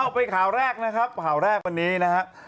ไปข่าวแรกนะครับข่าวแรกวันนี้นะครับ